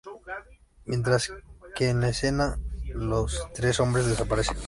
Mientras que en la cena los tres hombres desaparecen.